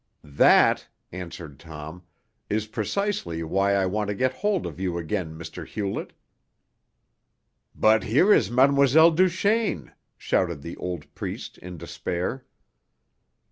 "That," answered Tom, "is precisely why I want to get hold of you again, Mr. Hewlett." "But here is Mlle. Duchaine!" shouted the old priest in despair.